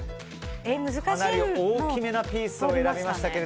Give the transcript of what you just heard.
大きめなピースを選びました。